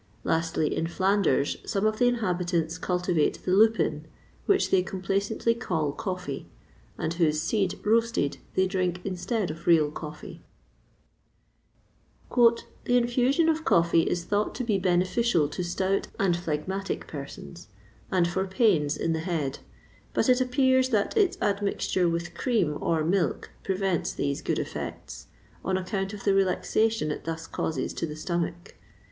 Lastly, in Flanders some of the inhabitants cultivate the lupin, which they complacently call coffee, and whose seed, roasted, they drink instead of real coffee. "The infusion of coffee is thought to be beneficial to stout and phlegmatic persons, and for pains in the head; but it appears that its admixture with cream or milk prevents these good effects, on account of the relaxation it thus causes to the stomach.